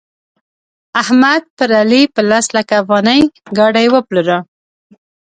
احمد پر علي په لس لکه افغانۍ ګاډي وپلوره.